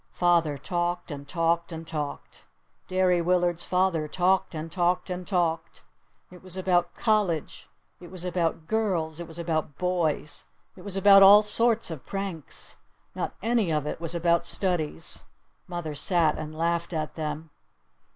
Father talked and talked and talked! Derry Willard's father talked and talked and talked! It was about college! It was about girls! It was about boys! It was about all sorts of pranks! Not any of it was about studies! Mother sat and laughed at them!